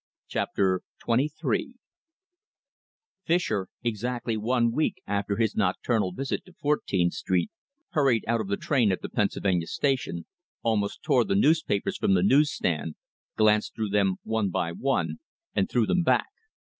CHAPTER XXIII Fischer, exactly one week after his nocturnal visit to Fourteenth Street, hurried out of the train at the Pennsylvania Station, almost tore the newspapers from the news stand, glanced through them one by one and threw them back.